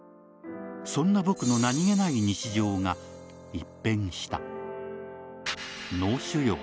そんな僕の何げない日常が一変した脳腫瘍